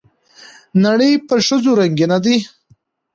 نړۍ په ښځو رنګينه ده